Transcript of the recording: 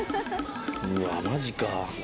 うわマジか。